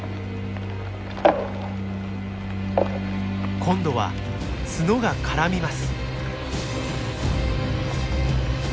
今度は角が絡みます。